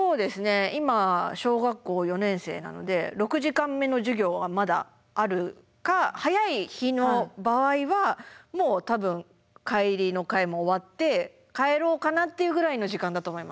今小学校４年生なので６時間目の授業がまだあるか早い日の場合はもう多分帰りの会も終わって帰ろうかなっていうぐらいの時間だと思います。